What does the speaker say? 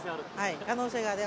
可能性ある？